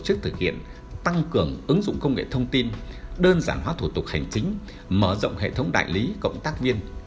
tổ chức thực hiện tăng cường ứng dụng công nghệ thông tin đơn giản hóa thủ tục hành chính mở rộng hệ thống đại lý cộng tác viên